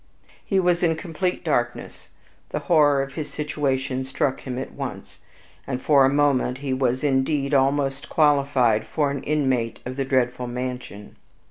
He was in complete darkness; the horror of his situation struck him at once, and for a moment he was indeed almost qualified for an inmate of that dreadful mansion.